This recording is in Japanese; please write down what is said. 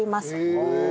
へえ！